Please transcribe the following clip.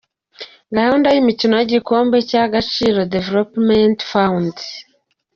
Gahunda y’imikino y’igikombe cy’Agaciro Development Fund:.